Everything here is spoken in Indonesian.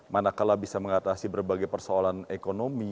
mana kala bisa mengatasi berbagai persoalan ekonomi